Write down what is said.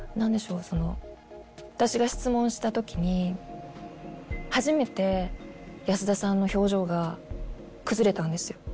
その私が質問した時に初めて安田さんの表情が崩れたんですよ。